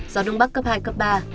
gió đông bắc cấp hai cấp ba